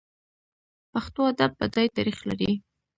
پښتو ادب بډای تاریخ لري.